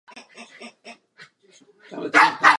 Pocházel z menší benátské aristokratické rodiny.